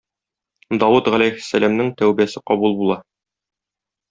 Давыт галәйһиссәламнең тәүбәсе кабул була.